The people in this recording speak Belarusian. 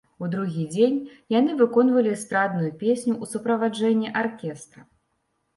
У другі дзень яны выконвалі эстрадную песню ў суправаджэнні аркестра.